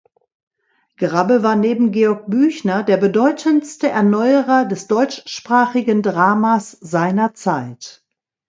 Grabbe war neben Georg Büchner der bedeutendste Erneuerer des deutschsprachigen Dramas seiner Zeit.